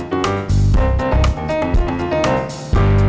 terus gue harus nungguin kalian